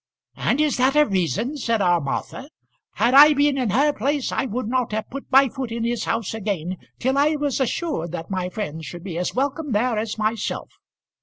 "And is that a reason?" said our Martha. "Had I been in her place I would not have put my foot in his house again till I was assured that my friend should be as welcome there as myself.